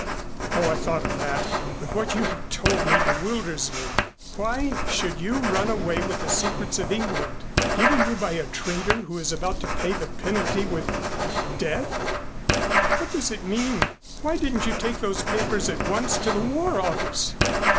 "Oh, I thought of that but what you have told me bewilders me. Why should you run away with secrets of England given you by a traitor who is about to pay the penalty with with death? What does it mean? Why didn't you take those papers at once to the War Office?